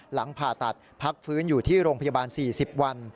หลังผ่าตัดพักฟื้นอยู่ที่โรงพยาบาล๔๐วัน